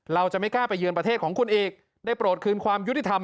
เราจะไม่กล้าไปเยือนประเทศของคุณอีกได้โปรดคืนความยุติธรรม